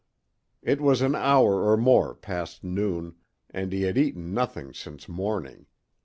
It was an hour or more past noon, and he had eaten nothing since morning.